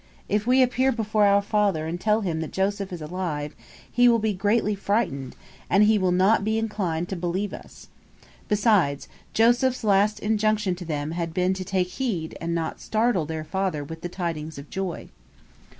If we appear before our father and tell him that Joseph is alive, he will be greatly frightened, and he will not be inclined to believe us." Besides, Joseph's last injunction to them had been to take heed and not startle their father with the tidings of joy.